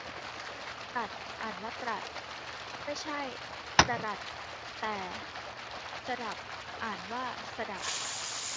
ตรัส อ่านว่า ตรัด ไม่ใช่ตะหรัด แต่สดับ อ่านว่า สะดับ